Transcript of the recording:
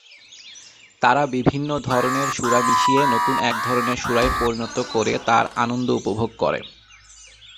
তারা বিভিন্ন ধরনের সুরা মিশিয়ে নতুন এক ধরনের সুরায় পরিণত করে তার আনন্দ উপভোগ করে।